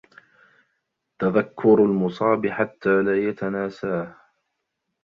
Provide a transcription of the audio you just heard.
تَذَكُّرُ الْمُصَابِ حَتَّى لَا يَتَنَاسَاهُ